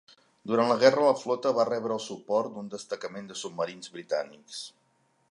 Durant la guerra la flota va rebre el suport d'un destacament de submarins britànics.